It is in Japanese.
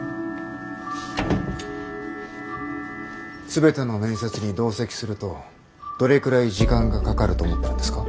全ての面接に同席するとどれくらい時間がかかると思ってるんですか？